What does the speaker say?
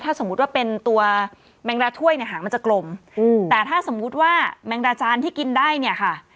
ถ้าสมมุติว่าเป็นตัวแมงดาถ้วยเนี่ยหางมันจะกลมแต่ถ้าสมมุติว่าแมงดาจานที่กินได้เนี่ยค่ะ